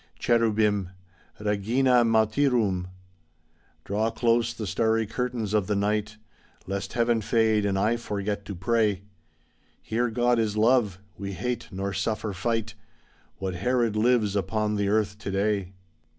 Chervbim: "Regina Martyrum." Draw close the starry curtains of the night Lest Heaven fade and I forget to pray ; Here God is love, we hate nor suffer fight, What Herod lives upon the earth to day?